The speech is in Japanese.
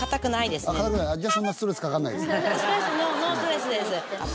ノーストレスです。